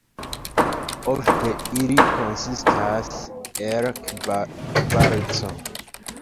Ofte ili konsistas el kvarco.